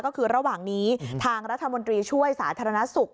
ก็คือระหว่างนี้ทางรัฐมนตรีช่วยสาธารณสุข